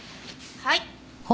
はい。